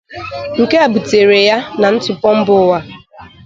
Nke a butere ya na ntụpọ mba ụwa.